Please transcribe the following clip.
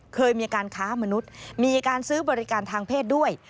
เคยมีการค้ามนุษย์มีการซื้อบริการทางเพศด้วย